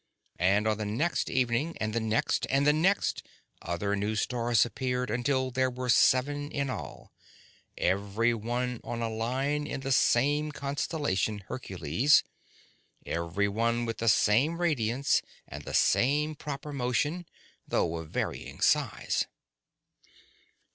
And on the next evening, and the next, and the next, other new stars appeared until there were seven in all, every one on a line in the same constellation Hercules, every one with the same radiance and the same proper motion, though of varying size!